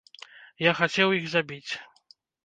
Я хацеў іх забіць.